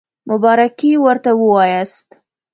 مبارکي ورته ووایاست.